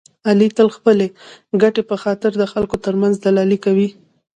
علي تل د خپلې ګټې په خاطر د خلکو ترمنځ دلالي کوي.